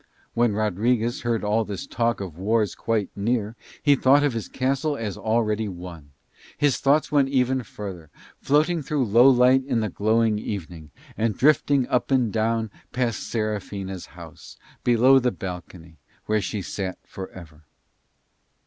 When Rodriguez heard all this talk of wars quite near he thought of his castle as already won; his thoughts went further even, floating through Lowlight in the glowing evening, and drifting up and down past Serafina's house below the balcony where she sat for ever.